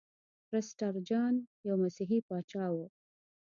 پرسټر جان یو مسیحي پاچا و.